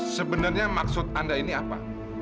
sebenarnya maksud anda ini apa